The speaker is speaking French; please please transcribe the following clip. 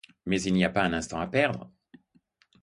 Mais il n'y pas un instant à perdre.